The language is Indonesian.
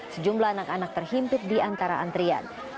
sejumlah anak anak terhimpit di antara antrian